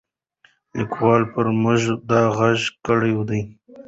لیکوال پر موږ دا غږ کړی دی.